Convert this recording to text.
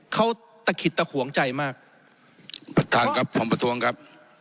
เขาตะขิดตะขวงใจมากประธานครับผมประท้วงครับ